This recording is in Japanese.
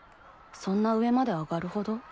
そんな上まであがるほど？